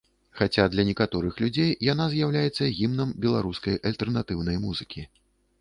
Хаця, для некаторых людзей яна і з'яўляецца гімнам беларускай альтэрнатыўнай музыкі.